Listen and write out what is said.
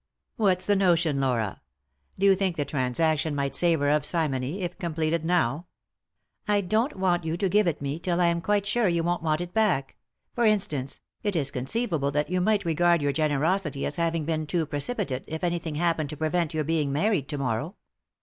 " What's the notion, Laura ? Do you think the transaction might savour of simony if completed now ?"" I don't want you to give it me till I am quite sure you won't want it back. For instance, it is conceivable that you might regard your generosity as having been too precipitate if anything happened to prevent your being married to morrow."